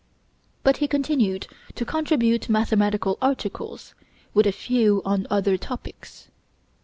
But he continued to contribute mathematical articles, with a few on other topics.